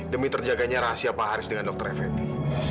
demi terjaganya rahasia pak haris dengan dr effendi